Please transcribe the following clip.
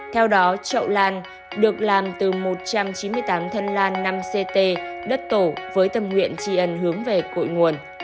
theo đó trậu lan được làm từ một trăm chín mươi tám thân lan năm ct đất tổ với tâm nguyện tri ân hướng về cội nguồn